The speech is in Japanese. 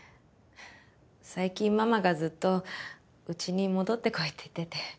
最近ママがずっとうちに戻ってこいって言ってて。